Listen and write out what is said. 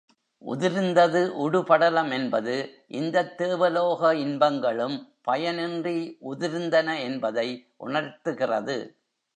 உதிர்ந்தது உடுபடலம் என்பது இந்தத் தேவலோக இன்பங்களும் பயனின்றி உதிர்ந்தன என்பதை உணர்த்துகிறது.